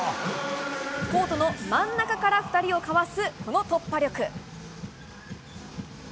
コートの真ん中から２人をかわすこの突破力。